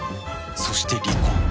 そして離婚